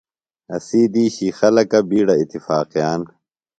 اسی دِیشی خلکہ بِیڈہ اتفاقِیان۔